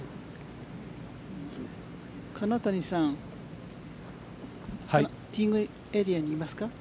金谷さんティーイングエリアにいますか？